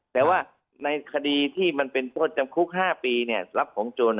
การไม้คติที่เป็นโทษจำคุก๕ปีแล้วแสดงจะเป็นโจร